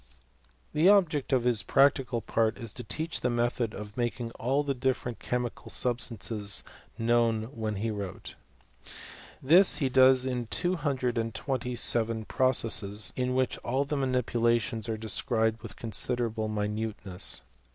The object of his practical part is to teach the method of making all the different chemical sub stances known when he wrote; This he does in two hundred and twenty seven processes, in which all the manipulations are described with considerable minute ness.